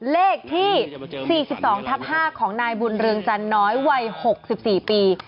เลขที่๔๒ทับ๕ของนายบุญเรืองจันน้อยวัย๖๔ปี